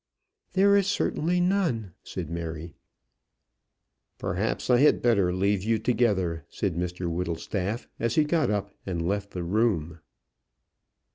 "There is certainly none," said Mary. "Perhaps I had better leave you together," said Mr Whittlestaff, as he got up and left the room.